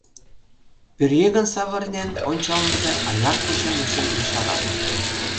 Пӧръеҥын савырнен ончалмыже аяр кочым эше ешара.